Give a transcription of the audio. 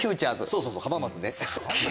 そうそうそう浜松ね。